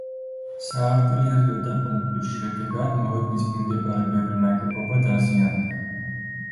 საარტილერიო დაბომბვის შედეგად მოედნის მიმდებარე ბევრი ნაგებობა დაზიანდა.